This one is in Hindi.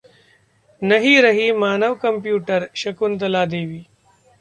नहीं रहीं 'मानव कम्प्यूटर' शकुंतला देवी